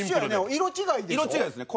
色違いですね。